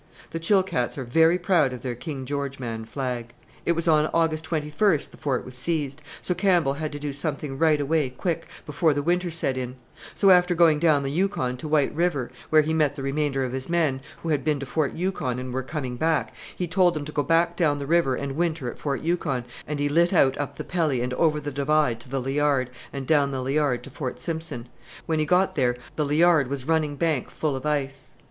The Chilkats are very proud of their 'King George man' flag! "It was on August 21 the Fort was seized, so Campbell had to do something right away quick, before the winter set in: so, after going down the Yukon to White River, where he met the remainder of his men, who had been to Fort Yukon and were coming back, he told them to go back down the river and winter at Fort Yukon, and he lit out up the Pelly and over the Divide to the Liard, and down the Liard to Fort Simpson. When he got there the Liard was running bank full of ice."